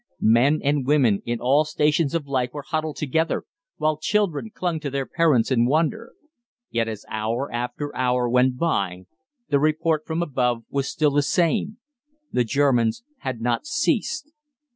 Men and women in all stations of life were huddled together, while children clung to their parents in wonder; yet as hour after hour went by, the report from above was still the same the Germans had not ceased.